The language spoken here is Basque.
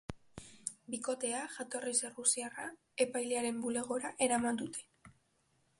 Bikotea, jatorriz errusiarra, epailearen bulegora eraman dute.